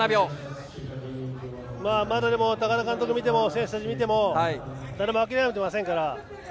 高田監督を見ても選手たちを見ても誰も諦めてませんから。